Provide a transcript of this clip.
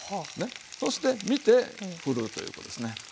そして見てふるということですね。